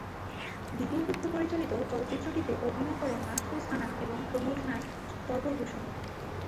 বিপিন গুপ্ত পরিচালিত চলচ্চিত্রটিতে অভিনয় করেন মাহফুজ আনাম এবং প্রমথনাথ তর্কভূষণ।